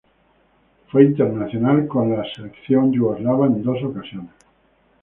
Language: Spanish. Fue internacional con la selección yugoslava en dos ocasiones.